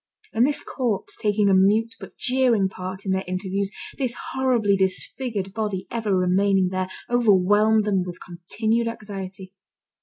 And this corpse taking a mute, but jeering part, in their interviews, this horribly disfigured body ever remaining there, overwhelmed them with continued anxiety.